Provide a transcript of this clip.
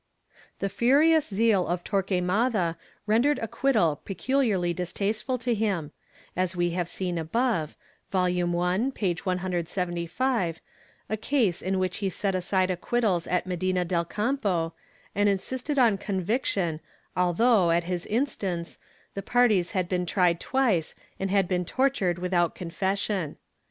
The furious zeal of Torquemada rendered acquittal pecuUarly distasteful to him, and we have seen above (Vol. I, p. 175) a case in which he set aside acquittals at Medina del Campo, and insisted on conviction although, at his instance, the parties had been tried twice and had been tortured without confession.